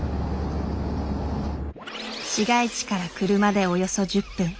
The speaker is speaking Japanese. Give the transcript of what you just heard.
市街地から車でおよそ１０分。